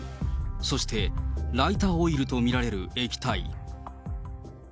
そしてライターオイルと見られる液体。